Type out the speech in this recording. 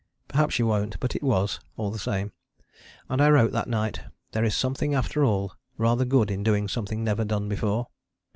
Perhaps you won't but it was, all the same: and I wrote that night: "There is something after all rather good in doing something never done before."